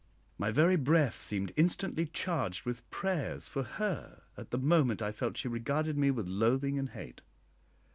My very breath seemed instantly charged with prayers for her, at the moment I felt she regarded me with loathing and hate.